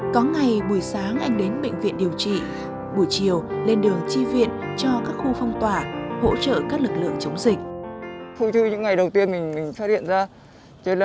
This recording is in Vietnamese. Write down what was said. có ngày buổi sáng anh đến bệnh viện điều trị buổi chiều lên đường chi viện cho các khu phong tỏa hỗ trợ các lực lượng chống dịch